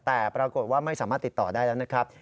แต่ปรากฏว่าไม่สามารถติดต่อได้แล้วนะครับ